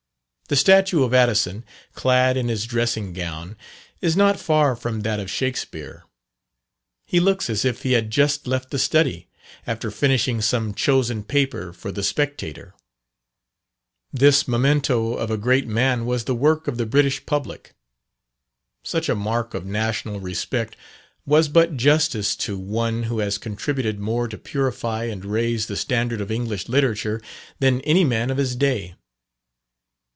The statue of Addison, clad in his dressing gown, is not far from that of Shakspere. He looks as if he had just left the study, after finishing some chosen paper for the Spectator. This memento of a great man, was the work of the British public. Such a mark of national respect was but justice to one who has contributed more to purify and raise the standard of English literature, than any man of his day.